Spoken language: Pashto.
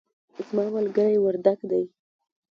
زما ملګری وردګ دی